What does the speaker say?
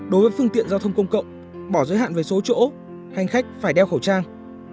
đối với phương tiện giao thông công cộng bỏ giới hạn về số chỗ hành khách phải đeo khẩu trang